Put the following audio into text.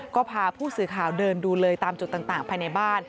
ก็พาผู้สื่อข่าวเดินดูเลยตามจุดต่างภายในบ้าน